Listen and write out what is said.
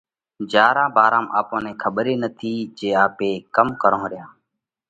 جيا را ڀارام آپون نئہ کٻر ئي نٿِي جي آپي ڪم ڪرونه ريا؟